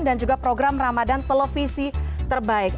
dan juga program ramadan televisi terbaik